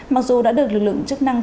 mặc dù đã được lực lượng chức năng